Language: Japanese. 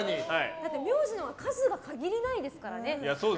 名字の数が限りないですからね。